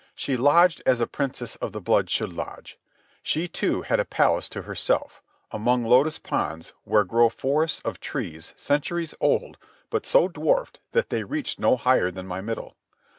She lodged as a princess of the blood should lodge. She, too, had a palace to herself, among lotus ponds where grow forests of trees centuries old but so dwarfed that they reached no higher than my middle.